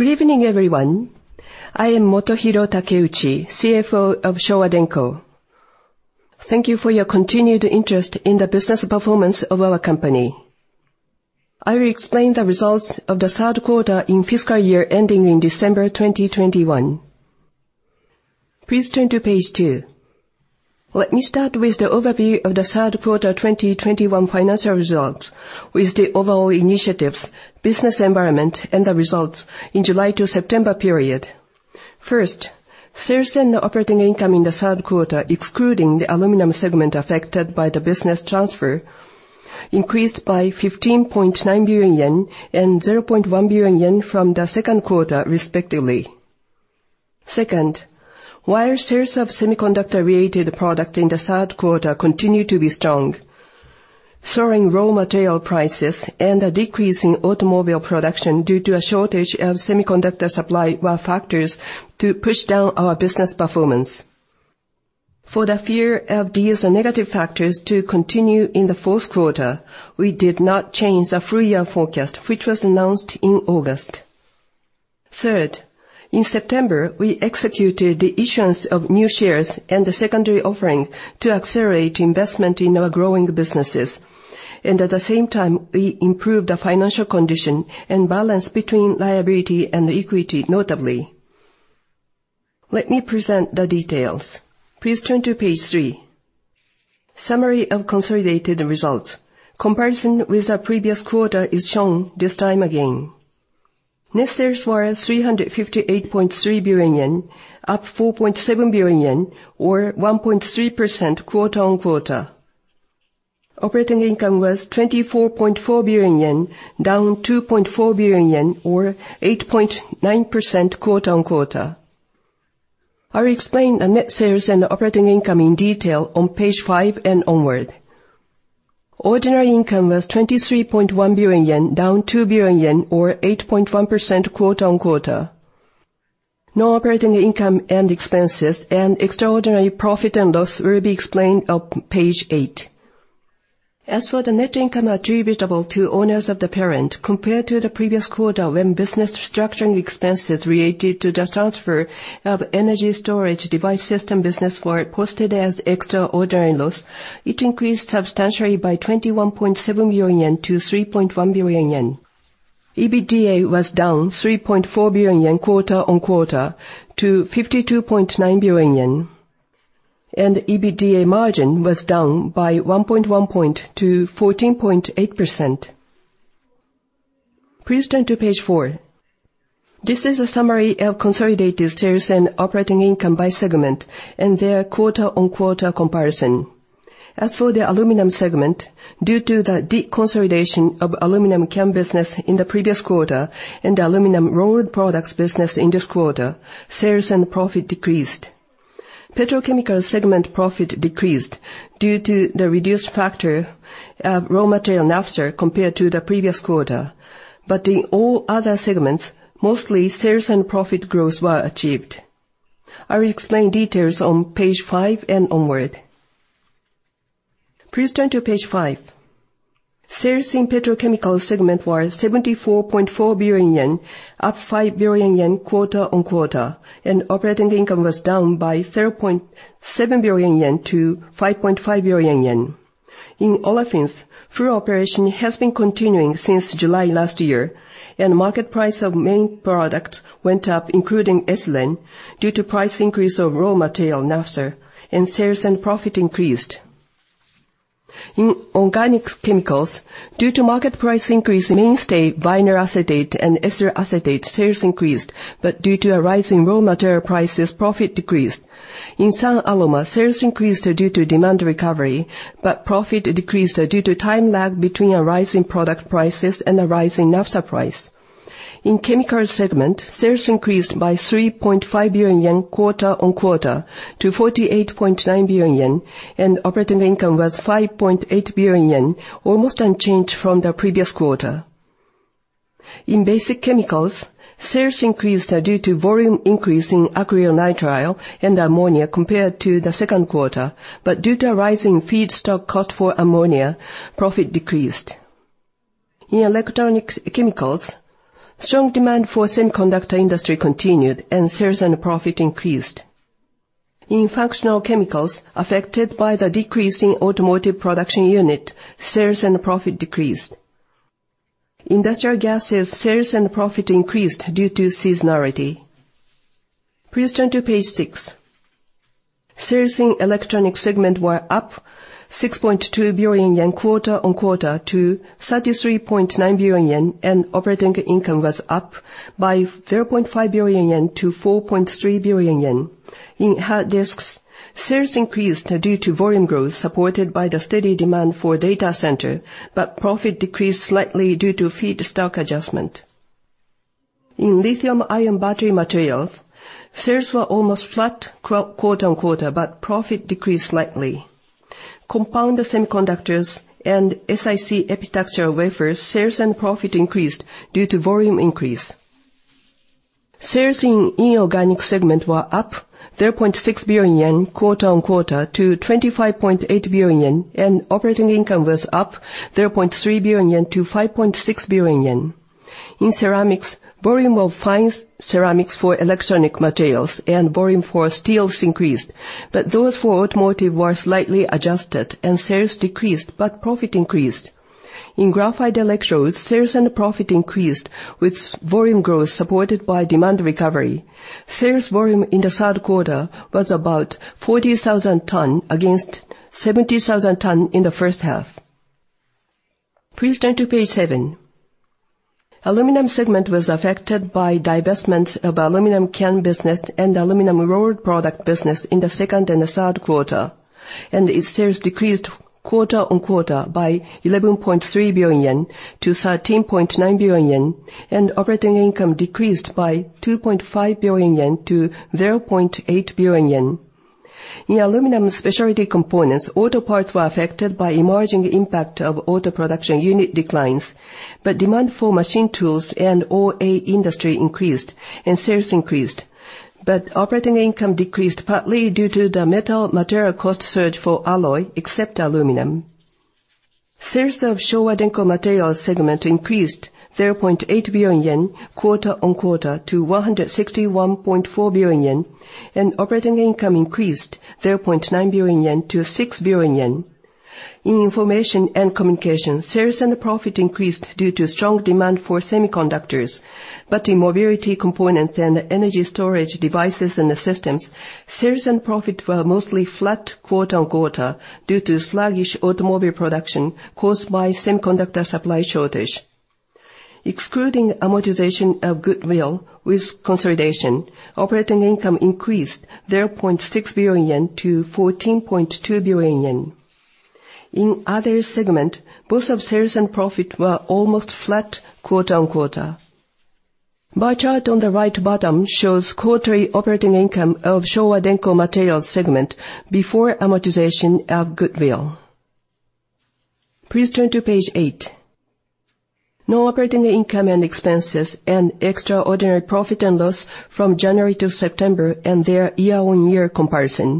Good evening, everyone. I am Motohiro Takeuchi, CFO of Showa Denko. Thank you for your continued interest in the business performance of our company. I will explain the results of the third quarter in fiscal year ending in December 2021. Please turn to page two. Let me start with the overview of the third quarter 2021 financial results with the overall initiatives, business environment, and the results in July to September period. First, sales and operating income in the third quarter, excluding the Aluminum segment affected by the business transfer, increased by 15.9 billion yen and 0.1 billion yen from the second quarter respectively. Second, while sales of semiconductor-related product in the third quarter continue to be strong, soaring raw material prices and a decrease in automobile production due to a shortage of semiconductor supply were factors to push down our business performance. For the fear of these negative factors to continue in the fourth quarter, we did not change the full-year forecast, which was announced in August. Third, in September, we executed the issuance of new shares and the secondary offering to accelerate investment in our growing businesses. At the same time, we improved the financial condition and balance between liability and equity notably. Let me present the details. Please turn to page three. Summary of consolidated results. Comparison with the previous quarter is shown this time again. Net sales were 358.3 billion yen, up 4.7 billion yen, or 1.3% quarter-on-quarter. Operating income was 24.4 billion yen, down 2.4 billion yen, or 8.9% quarter-on-quarter. I'll explain the net sales and operating income in detail on page five and onward. Ordinary income was 23.1 billion yen, down 2 billion yen, or 8.1% quarter-on-quarter. Non-operating income and expenses and extraordinary profit and loss will be explained on page eight. As for the net income attributable to owners of the parent, compared to the previous quarter, when business restructuring expenses related to the transfer of energy storage devices and systems business were posted as extraordinary loss, it increased substantially by 21.7 billion yen to 3.1 billion yen. EBITDA was down 3.4 billion yen quarter-on-quarter, to 52.9 billion yen. EBITDA margin was down by 1.1 point to 14.8%. Please turn to page four. This is a summary of consolidated sales and operating income by segment and their quarter-on-quarter comparison. As for the aluminum segment, due to the deconsolidation of aluminum can business in the previous quarter and aluminum rolled products business in this quarter, sales and profit decreased. Petrochemicals segment profit decreased due to the reduced factor of raw material naphtha compared to the previous quarter. In all other segments, mostly sales and profit growth were achieved. I will explain details on page five and onward. Please turn to page five. Sales in Petrochemicals segment were 74.4 billion yen, up 5 billion yen quarter-on-quarter, operating income was down by 3.7 billion yen to 5.5 billion yen. In olefins, full operation has been continuing since July last year, market price of main products went up, including ethylene, due to price increase of raw material naphtha, sales and profit increased. In organic chemicals, due to market price increase, mainstay vinyl acetate and ethyl acetate sales increased, due to a rise in raw material prices, profit decreased. In SunAllomer sales increased due to demand recovery, profit decreased due to time lag between a rise in product prices and a rise in naphtha price. In Chemicals segment, sales increased by 3.5 billion yen quarter on quarter to 48.9 billion yen, and operating income was 5.8 billion yen, almost unchanged from the previous quarter. In Basic Chemicals, sales increased due to volume increase in acrylonitrile and ammonia compared to the second quarter, but due to a rise in feedstock cost for ammonia, profit decreased. In Electronic Chemicals, strong demand for semiconductor industry continued, and sales and profit increased. In Functional Chemicals, affected by the decrease in automotive production unit, sales and profit decreased. Industrial Gases, sales and profit increased due to seasonality. Please turn to page six. Sales in Electronics segment were up 6.2 billion yen quarter on quarter to 33.9 billion yen, and operating income was up by 3.5 billion yen to 4.3 billion yen. In hard disks, sales increased due to volume growth supported by the steady demand for data center, but profit decreased slightly due to feedstock adjustment. In lithium-ion battery materials, sales were almost flat quarter on quarter, but profit decreased slightly. Compound semiconductors and SiC epitaxial wafers, sales and profit increased due to volume increase. Sales in inorganic segment were up 3.6 billion yen quarter on quarter to 25.8 billion yen, and operating income was up 3.3 billion yen to 5.6 billion yen. In ceramics, volume of fine ceramics for electronic materials and volume for steels increased, but those for automotive were slightly adjusted and sales decreased, but profit increased. In graphite electrodes, sales and profit increased with volume growth supported by demand recovery. Sales volume in the third quarter was about 40,000 ton against 70,000 ton in the first half. Please turn to page seven. Aluminum segment was affected by divestments of aluminum can business and aluminum rolled products business in the second and the third quarter, and its sales decreased quarter on quarter by 11.3 billion yen to 13.9 billion yen, and operating income decreased by 2.5 billion yen to 0.8 billion yen. In aluminum specialty components, auto parts were affected by emerging impact of auto production unit declines, but demand for machine tools and OA industry increased, and sales increased. Operating income decreased partly due to the metal material cost surge for alloy, except aluminum. Sales of Showa Denko Materials segment increased 3.8 billion yen quarter on quarter to 161.4 billion yen, and operating income increased 3.9 billion yen to 6 billion yen. In information and communication, sales and profit increased due to strong demand for semiconductors, but in mobility components and energy storage devices and systems, sales and profit were mostly flat quarter on quarter due to sluggish automobile production caused by semiconductor supply shortage. Excluding amortization of goodwill with consolidation, operating income increased 0.6 billion yen to 14.2 billion yen. In other segment, both of sales and profit were almost flat quarter on quarter. Bar chart on the right bottom shows quarterly operating income of Showa Denko Materials segment before amortization of goodwill. Please turn to page eight. Non-operating income and expenses, and extraordinary profit and loss from January to September, and their year-on-year comparison.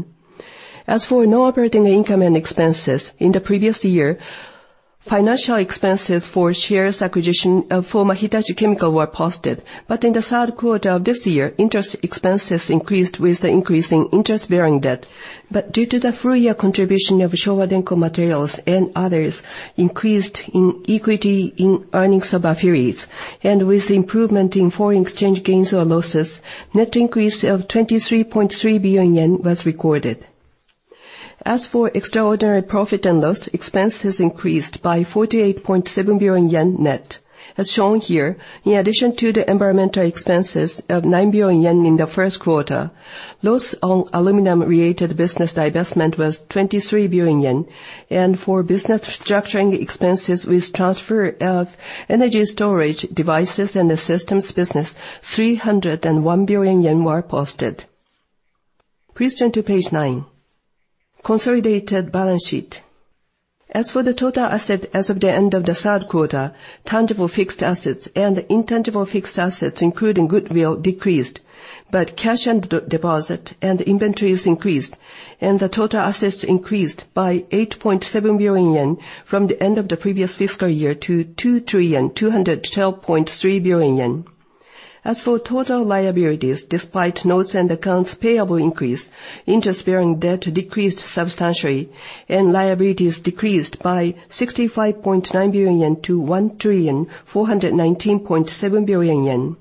As for non-operating income and expenses, in the previous year, financial expenses for shares acquisition of former Hitachi Chemical were posted. In the third quarter of this year, interest expenses increased with the increase in interest-bearing debt. Due to the full year contribution of Showa Denko Materials and others increased in equity in earnings of affiliates, and with improvement in foreign exchange gains or losses, net increase of 23.3 billion yen was recorded. As for extraordinary profit and loss, expenses increased by 48.7 billion yen net. As shown here, in addition to the environmental expenses of 9 billion yen in the first quarter, loss on aluminum-related business divestment was 23 billion yen. For business restructuring expenses with transfer of energy storage devices and systems business, 301 billion yen were posted. Please turn to page nine. Consolidated balance sheet. As for the total asset as of the end of the third quarter, tangible fixed assets and intangible fixed assets including goodwill decreased. Cash and deposit and inventories increased, and the total assets increased by 8.7 billion yen from the end of the previous fiscal year to 2,212.3 billion yen. As for total liabilities, despite notes and accounts payable increase, interest-bearing debt decreased substantially, and liabilities decreased by 65.9 billion yen to 1,419.7 billion yen.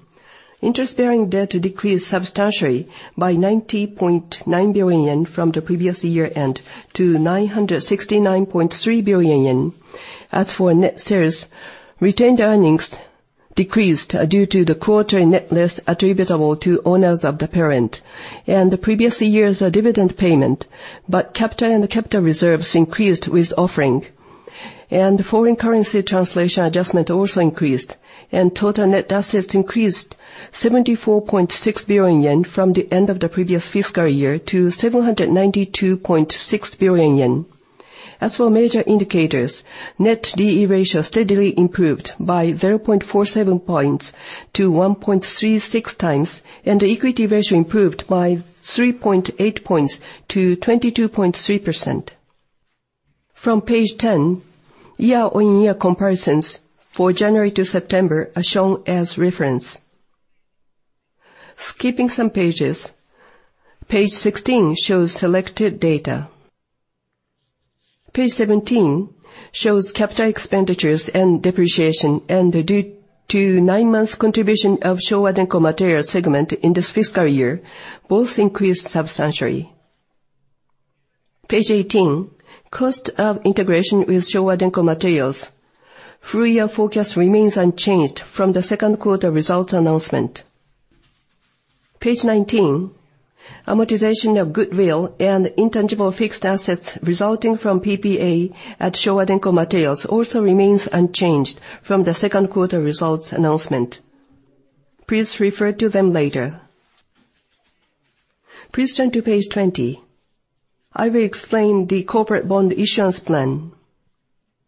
Interest-bearing debt decreased substantially by 90.9 billion yen from the previous year-end to 969.3 billion yen. As for net sales, retained earnings decreased due to the quarterly net loss attributable to owners of the parent and the previous year's dividend payment. Capital and the capital reserves increased with offering. Foreign currency translation adjustment also increased, and total net assets increased 74.6 billion yen from the end of the previous fiscal year to 792.6 billion yen. As for major indicators, net D/E ratio steadily improved by 0.47 points to 1.36 times, and the equity ratio improved by 3.8 points to 22.3%. From page 10, year-on-year comparisons for January to September are shown as reference. Skipping some pages. Page 16 shows selected data. Page 17 shows capital expenditures and depreciation, and due to nine months contribution of Showa Denko Materials segment in this fiscal year, both increased substantially. Page 18, cost of integration with Showa Denko Materials. Full year forecast remains unchanged from the second quarter results announcement. Page 19, amortization of goodwill and intangible fixed assets resulting from PPA at Showa Denko Materials also remains unchanged from the second quarter results announcement. Please refer to them later. Please turn to page 20. I will explain the corporate bond issuance plan.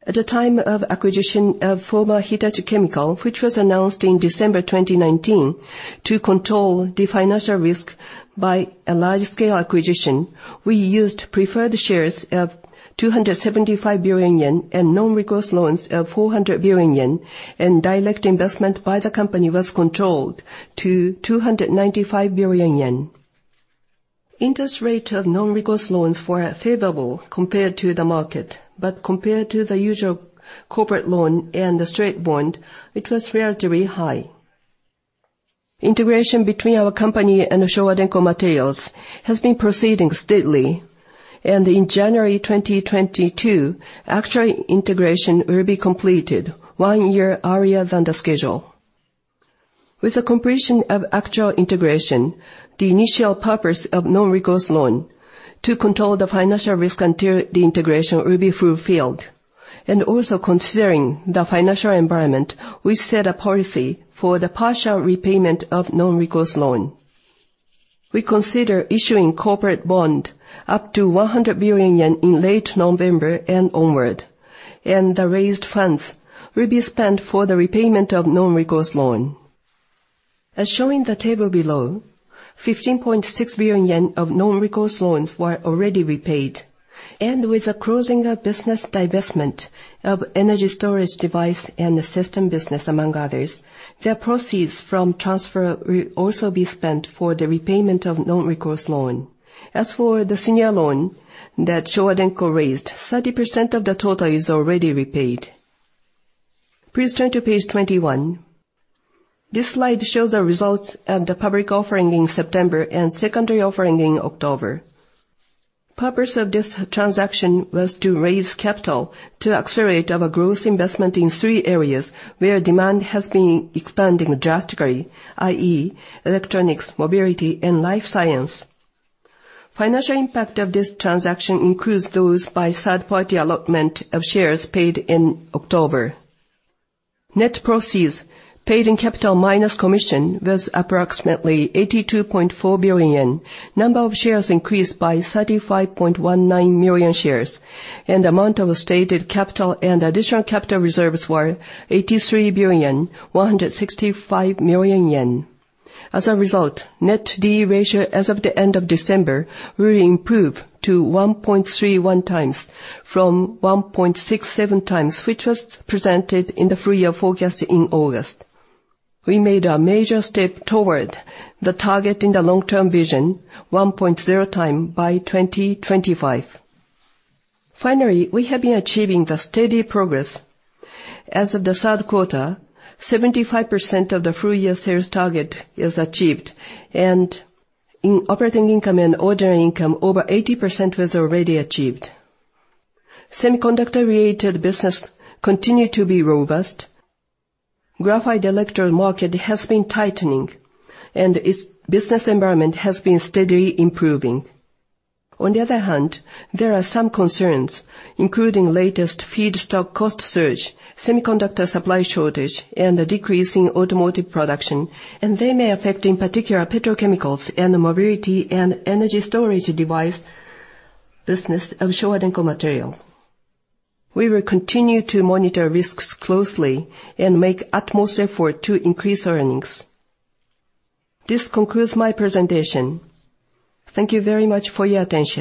At the time of acquisition of former Hitachi Chemical, which was announced in December 2019, to control the financial risk by a large-scale acquisition, we used preferred shares of 275 billion yen and non-recourse loans of 400 billion yen, and direct investment by the company was controlled to 295 billion yen. Interest rate of non-recourse loans were favorable compared to the market, but compared to the usual corporate loan and the straight bond, it was relatively high. Integration between our company and Showa Denko Materials has been proceeding steadily, and in January 2022, actual integration will be completed one year earlier than the schedule. With the completion of actual integration, the initial purpose of non-recourse loan to control the financial risk until the integration will be fulfilled. Also considering the financial environment, we set a policy for the partial repayment of non-recourse loan. We consider issuing corporate bond up to 100 billion yen in late November and onward. The raised funds will be spent for the repayment of non-recourse loan. As shown in the table below, 15.6 billion yen of non-recourse loans were already repaid. With the closing of business divestment of energy storage devices and systems business, among others, their proceeds from transfer will also be spent for the repayment of non-recourse loan. As for the senior loan that Showa Denko raised, 30% of the total is already repaid. Please turn to page 21. This slide shows the results of the public offering in September and secondary offering in October. Purpose of this transaction was to raise capital to accelerate our growth investment in three areas where demand has been expanding drastically, i.e., Electronics, Mobility, and Life Science. Financial impact of this transaction includes those by third-party allotment of shares paid in October. Net proceeds paid in capital minus commission was approximately 82.4 billion yen. Number of shares increased by 35.19 million shares. Amount of stated capital and additional capital reserves were 83 billion, 165 million yen. As a result, net D/E ratio as of the end of December will improve to 1.31 times from 1.67 times, which was presented in the full-year forecast in August. We made a major step toward the target in the long-term vision, 1.0 time by 2025. We have been achieving the steady progress. As of the third quarter, 75% of the full-year sales target is achieved. In operating income and ordinary income, over 80% was already achieved. Semiconductor-related business continue to be robust. Graphite electrode market has been tightening. Its business environment has been steadily improving. There are some concerns, including latest feedstock cost surge, semiconductor supply shortage, and a decrease in automotive production. They may affect, in particular, Petrochemicals and Mobility and energy storage devices business of Showa Denko Materials. We will continue to monitor risks closely and make utmost effort to increase earnings. This concludes my presentation. Thank you very much for your attention.